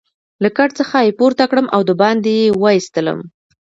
له کټ څخه يې پورته کړم او دباندې يې وایستلم.